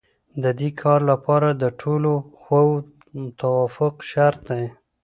د دې کار لپاره د ټولو خواوو توافق شرط دی.